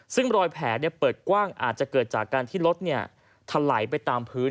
ซึ่งรอยแผลเปิดกว้างอาจจะเกิดจากการที่รถถลายไปตามพื้น